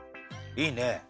いいね！